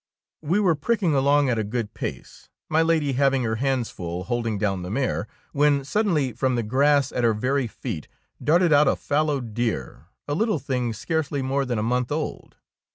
We were pricking along at a good 11 DEEDS OF DABING pace, my Lady having her hands full with holding down the mare, when suddenly from the grass at her very feet darted out a fallow deer, a little thing scarcely more than a month old.